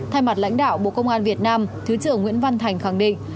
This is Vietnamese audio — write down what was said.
thay mặt lãnh đạo bộ công an việt nam thứ trưởng nguyễn văn thành khẳng định